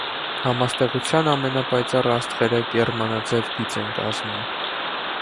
Համաստեղության ամենապայծառ աստղերը կեռմանաձև գիծ են կազմում։